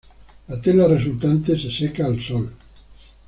La tela resultante se seca al sol.